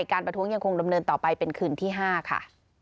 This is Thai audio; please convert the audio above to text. ประท้วงยังคงดำเนินต่อไปเป็นคืนที่๕ค่ะ